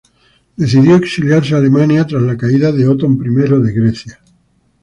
Decidió exiliarse a Alemania tras la caída de Otón I de Grecia.